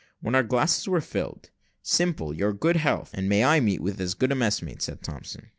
When our glasses were filled "Simple, your good health, and may I meet with as good a messmate," said Thompson.